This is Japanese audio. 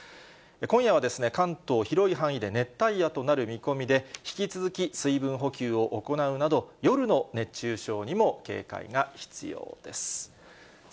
今夜は関東、広い範囲で熱帯夜となる見込みで、引き続き水分補給を行うなど、夜の熱中症にも警戒が必要です。